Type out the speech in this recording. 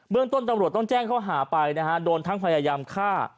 เมืองต้นตรงจ้างเขาหาไปนะฮะโดนทั้งพยายามฆ่า